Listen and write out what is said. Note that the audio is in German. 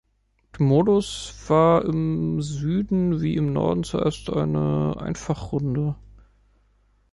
Der Modus war im Süden wie im Norden zuerst eine Einfachrunde.